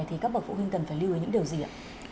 thì các bậc phụ huynh cần phải lưu ý những điều gì ạ